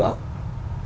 và không đi nữa